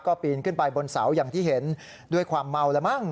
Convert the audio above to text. ก็ปีนขึ้นไปบนเสาอย่างที่เห็นด้วยความเมาแล้วมั้ง